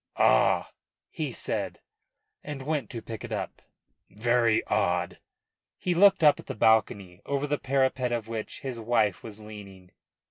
"Ah!" he said, and went to pick it up. "Very odd!" He looked up at the balcony, over the parapet of which his wife was leaning.